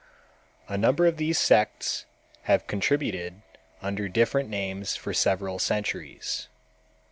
A number of these sects have continued under different names for several centuries.